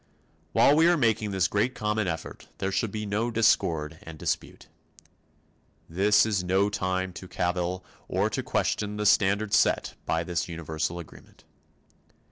While we are making this great common effort there should be no discord and dispute. This is no time to cavil or to question the standard set by this universal agreement.